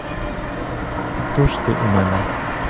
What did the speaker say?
Хто ж ти у мене?